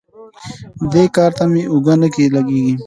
دې کار ته مې اوږه نه لګېږي.